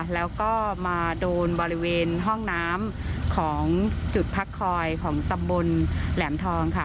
แล้วก็มาโดนบริเวณห้องน้ำของจุดพักคอยของตำบลแหลมทองค่ะ